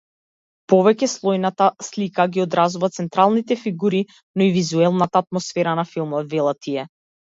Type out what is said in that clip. Повеќеслојната слика ги одразува централните фигури, но и вузелната атмосфера на филмот, велат тие.